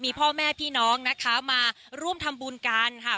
มีพ่อแม่พี่น้องนะคะมาร่วมทำบุญกันค่ะ